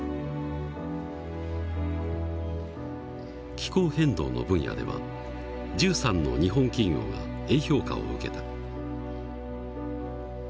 気候変動の分野では１３の日本企業がＡ評価を受けた。